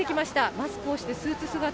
マスクをして、スーツ姿。